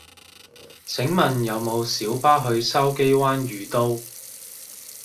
請問有無小巴去筲箕灣譽都